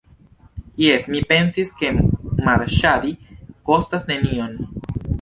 Jes, mi pensis, ke marŝadi kostas nenion.